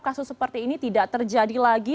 kasus seperti ini tidak terjadi lagi